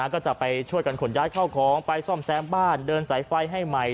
ก็จะไปช่วยกันขนย้ายเข้าของไปซ่อมแซมบ้านเดินสายไฟให้ใหม่